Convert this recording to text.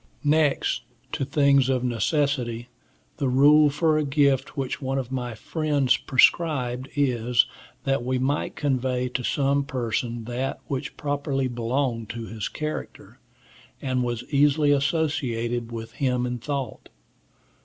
Next to things of necessity, the rule for a gift which one of my friends prescribed is, that we might convey to some person that which properly belonged to his character, and was easily associated with him in thought.